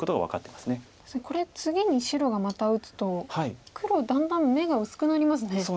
確かにこれ次に白がまた打つと黒だんだん眼が薄くなりますね。